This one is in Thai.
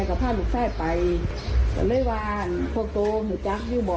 ก็ว่ายอมกรนยามก็เหตุ